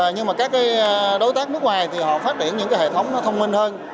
nhưng mà các đối tác nước ngoài thì họ phát triển những hệ thống nó thông minh hơn